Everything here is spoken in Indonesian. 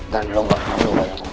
dan lo gak perlu banyak ngomong